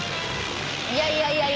「いやいやいやいや」